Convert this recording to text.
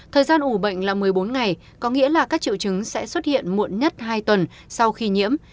thời gian ủ bệnh là một mươi bốn ngày có nghĩa là các triệu chứng sẽ xuất hiện muộn nhất hai tuần sau khi nhiễm